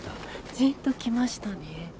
ジンと来ましたね。